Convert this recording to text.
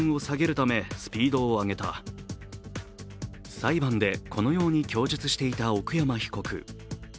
裁判でこのように供述していた奥山被告。